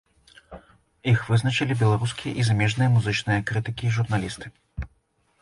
Іх вызначылі беларускія і замежныя музычныя крытыкі і журналісты.